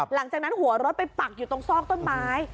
หลังจากนั้นหัวรถไปปักอยู่ตรงซอกต้นไม้